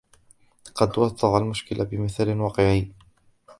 لقد وضح المشكلة بمثال واقعي